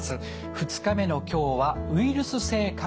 ２日目の今日はウイルス性肝炎です。